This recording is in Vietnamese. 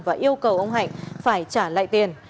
và yêu cầu ông hạnh phải trả lại tiền